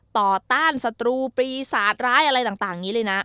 ต้านศัตรูปีศาจร้ายอะไรต่างนี้เลยนะ